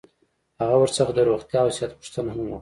هغه ورڅخه د روغتیا او صحت پوښتنه هم وکړه.